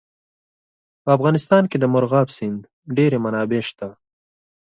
په افغانستان کې د مورغاب سیند ډېرې منابع شته.